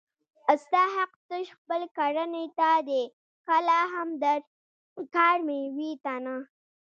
ستا حق تش خپل کړنې ته دی کله هم د کار مېوې ته نه